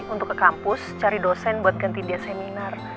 untuk ke kampus cari dosen buat ganti dia seminar